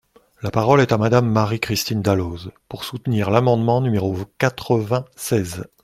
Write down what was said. La parole est à Madame Marie-Christine Dalloz, pour soutenir l’amendement numéro quatre-vingt-seize.